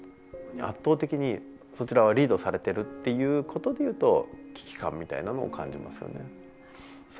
圧倒的にそちらはリードされてるっていうことでいうと危機感みたいなのを感じますよね。